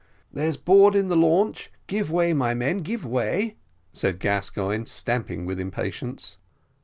"There's board in the launch give way, my men, give way," said Gascoigne, stamping with impatience.